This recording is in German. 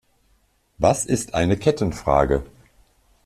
Was ist eine Kettenfrage?